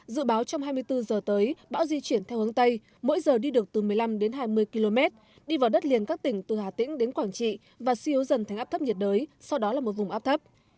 dự báo trong hai mươi bốn giờ tới bão di chuyển theo hướng tây mỗi giờ đi được từ một mươi năm đến hai mươi km đi vào đất liền các tỉnh từ hà tĩnh đến quảng trị và suy yếu dần thành áp thấp nhiệt đới sau đó là một vùng áp thấp